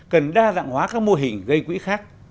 cần đa dạng hóa các mô hình gây quỹ khác